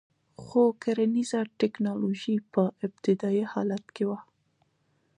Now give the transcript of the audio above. خو کرنیزه ټکنالوژي په ابتدايي حالت کې وه